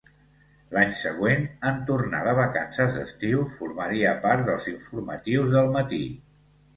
L'any següent, en tornar de vacances d'estiu formaria part dels informatius del matí.